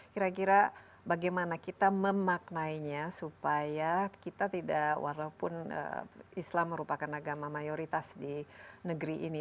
kira kira bagaimana kita memaknainya supaya kita tidak walaupun islam merupakan agama mayoritas di negeri ini